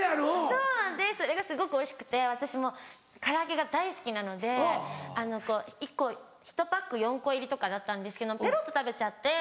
そうなんでそれがすごくおいしくて私も唐揚げが大好きなのであのこうひとパック４個入りとかだったんですけどペロっと食べちゃって。